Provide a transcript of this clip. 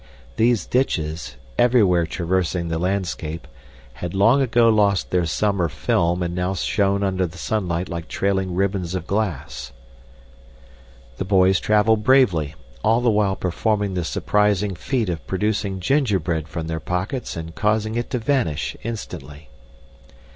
These ditches, everywhere traversing the landscape, had long ago lost their summer film and now shone under the sunlight like trailing ribbons of glass. The boys traveled bravely, all the while performing the surprising feat of producing gingerbread from their pockets and causing it to vanish instantly.